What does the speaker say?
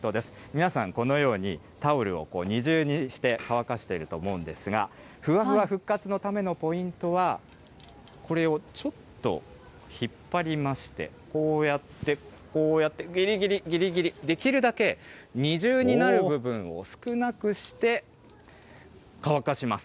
皆さん、このように、タオルを二重にして乾かしていると思うんですが、ふわふわ復活のためのポイントは、これをちょっと引っ張りまして、こうやって、こうやってぎりぎり、ぎりぎり、できるだけ二重になる部分を少なくして乾かします。